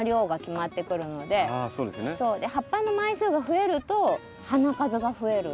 あそうですね。葉っぱの枚数が増えると花数が増える。